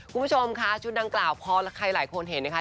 คุณผู้ชมค่ะชุดดังกล่าวพอใครหลายคนเห็นนะคะ